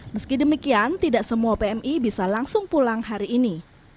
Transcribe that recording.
meski demikian tidak semua pmi bisa langsung pulang hari ini